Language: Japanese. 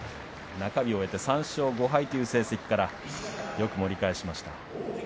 中日を終えて３勝５敗という成績からよく盛り返しました。